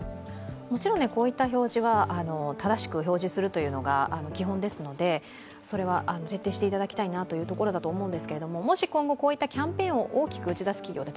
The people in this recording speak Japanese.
もちろん、こういった表示は正しく表示するのは基本ですので、それは徹底していただきたいところだと思うんですけれども、今後こういったキャンペーンを大きく打ち出す企業は